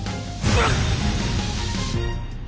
うっ！